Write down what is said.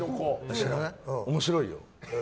面白いよ。